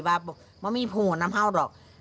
นั่งมีพรูมน้ำเฮารอก